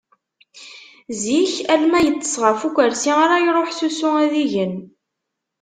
Zik alarma yeṭṭeṣ ɣef ukersi ara iruḥ s usu ad igen.